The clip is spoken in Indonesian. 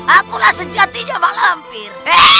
akulah sejati nyawa lampir